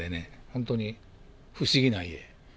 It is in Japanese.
本当に不思議な家。